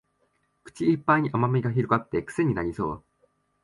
口いっぱいに甘味が広がってクセになりそう